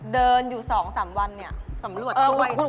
เดินอยู่๒๓วันเนี่ยสำรวจด้วย